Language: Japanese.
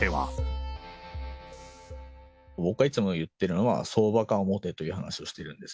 僕がいつも言ってるのは、相場観を持てという話をしているんです。